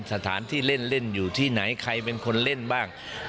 สถานที่เล่นอยู่ที่ไหนใครเป็นคนเล่นบ้าง